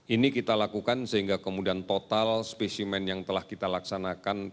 ini kita lakukan sehingga kemudian total spesimen yang telah kita laksanakan